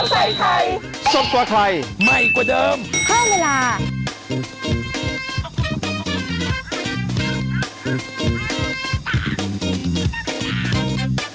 พี่มีดำเป็นทำไม